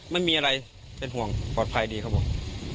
ไม่มีอะไรเป็นห่วงปลอดภัยดีครับผม